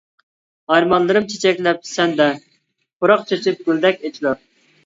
ئارمانلىرىم چېچەكلەپ سەندە، پۇراق چېچىپ گۈلدەك ئېچىلار.